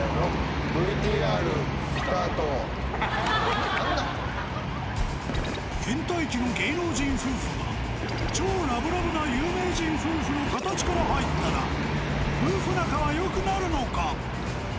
うん倦怠期の芸能人夫婦が超ラブラブな有名人夫婦の形から入ったら夫婦仲はよくなるのか？